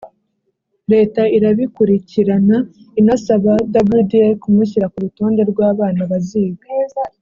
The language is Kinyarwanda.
leta irabikurikirana inasaba wda kumushyira kurutonde rwabana baziga